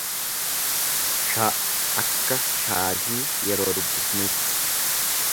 sh akka shaashii yeroo dubbisnuutti.